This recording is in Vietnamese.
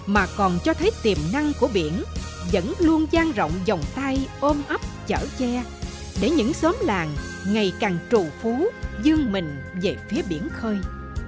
mà còn cho thấy tiềm năng của biển vẫn luôn giang rộng dòng tay ôm ấp chở che để những xóm làng ngày càng trù phú dương mình về phía biển khơi